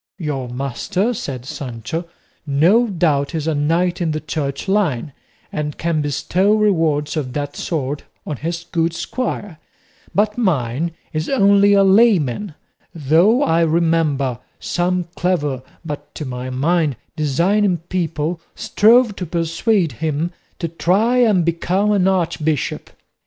"Your master," said Sancho, "no doubt is a knight in the Church line, and can bestow rewards of that sort on his good squire; but mine is only a layman; though I remember some clever, but, to my mind, designing people, strove to persuade him to try and become an archbishop.